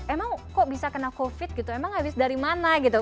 emang kok bisa kena covid gitu emang habis dari mana gitu